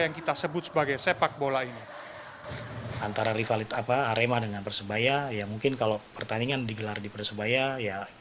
jika tidak ada masyarakat tidak ada yang bisa melakukan sakit balik